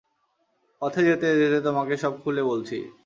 পথে যেতে যেতে তোমাকে সব খুলে বলছি।